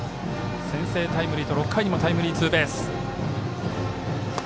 先制タイムリーと６回にもタイムリーツーベース。